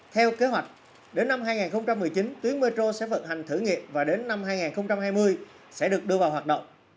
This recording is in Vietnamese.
theo kế hoạch đến năm hai nghìn một mươi chín tuyến metro sẽ vận hành thử nghiệm và đến năm hai nghìn hai mươi sẽ được đưa vào hoạt động